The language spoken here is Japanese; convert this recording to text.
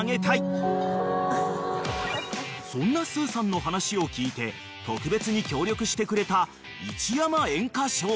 ［そんなすーさんの話を聞いて特別に協力してくれた］